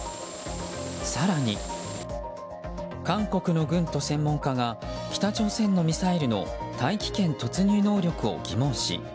更に、韓国の軍と専門家が北朝鮮のミサイルの大気圏突入能力を疑問視。